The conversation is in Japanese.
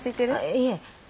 いえ。